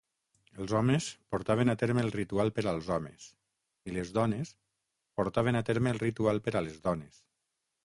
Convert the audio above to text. Els homes portaven a terme el ritual per als homes, i les dones portaven a terme el ritual per a les dones.